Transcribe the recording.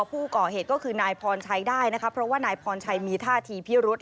ผู้ก่อเหตุก็คือนายพรชัยได้นะคะเพราะว่านายพรชัยมีท่าทีพิรุษ